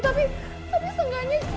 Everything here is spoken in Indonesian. tapi tapi setidaknya